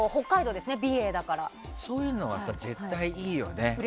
そういうのは絶対いいよね。